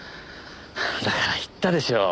だから言ったでしょう。